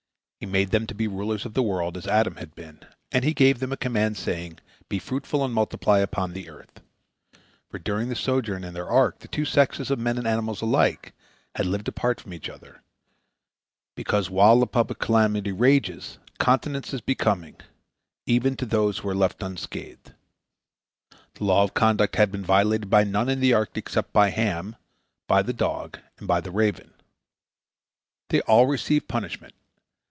He made them to be rulers of the world as Adam had been, and He gave them a command, saying, "Be fruitful and multiply upon the earth," for during their sojourn in the ark, the two sexes, of men and animals alike, had lived apart from each other, because while a public calamity rages continence is becoming even to those who are left unscathed. This law of conduct had been violated by none in the ark except by Ham, by the dog, and by the raven. They all received a punishment.